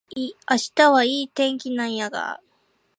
明日はいい天気なんやが